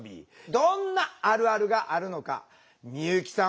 どんなあるあるがあるのか美由紀さん